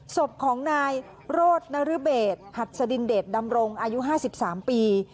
ศพของนายโรธนรเบศหัดสดินเดชดำรงอายุ๕๓ปี